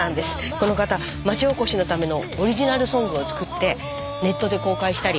この方まちおこしのためのオリジナルソングを作ってネットで公開したり。